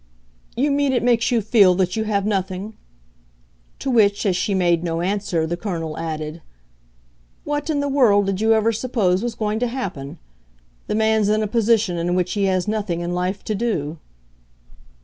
"You mean it makes you feel that you have nothing?" To which, as she made no answer, the Colonel added: "What in the world did you ever suppose was going to happen? The man's in a position in which he has nothing in life to do."